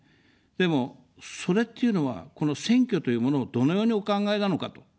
でも、それっていうのは、この選挙というものをどのようにお考えなのかと。